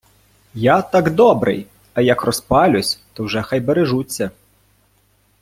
Я так добрий, а як розпалюсь, то вже хай бережуться...